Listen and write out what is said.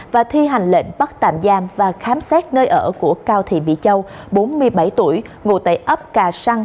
và thi hành lệnh bắt tạm giam và khám xét nơi ở của cao thị mỹ châu bốn mươi bảy tuổi ngụ tại ấp cà săn